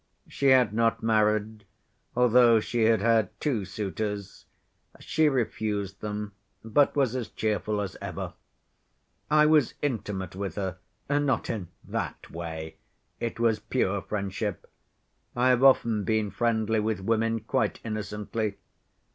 She had not married, although she had had two suitors. She refused them, but was as cheerful as ever. I was intimate with her, not in 'that' way, it was pure friendship. I have often been friendly with women quite innocently.